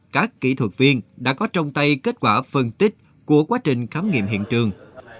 các kỹ thuật viên đã có trong tay kết quả phân tích của quá trình khám nghiệm hiện trường